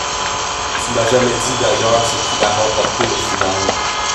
Tu m’as jamais dit, d’ailleurs, ce qui l’a remporté, au final.